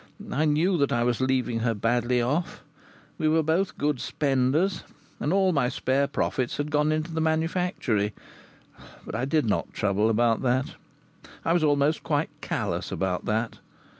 I knew that I was leaving her badly off; we were both good spenders, and all my spare profits had gone into the manufactory; but I did not trouble about that. I was almost quite callous about that.